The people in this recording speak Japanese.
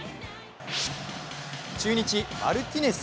中日・マルティネス。